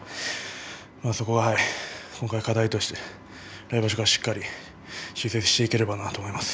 そこは課題として来場所からしっかりと修正していければと思います。